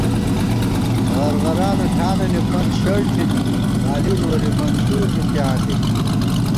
غرغرانہ ٹھانَنی فنت شڑ تھنی، بالِؤ نوری منصور ݫُپی آں دِمہ